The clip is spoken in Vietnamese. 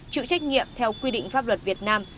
chịu trách nhiệm theo quy định pháp luật việt nam